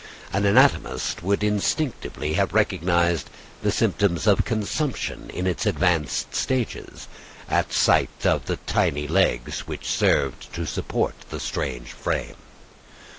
An anatomist would instinctively have recognized the symptoms of consumption in its advanced stages, at sight of the tiny legs which served to support that strange frame.